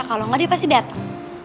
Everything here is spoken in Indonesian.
kalau enggak dia pasti datang